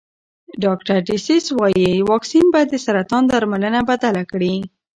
ډاکټر ډسیس وايي واکسین به د سرطان درملنه بدله کړي.